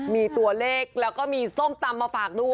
มีตัวเลขแล้วก็มีส้มตำมาฝากด้วย